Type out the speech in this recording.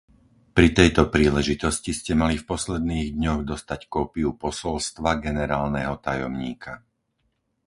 Pri tejto príležitosti ste mali v posledných dňoch dostať kópiu posolstva generálneho tajomníka.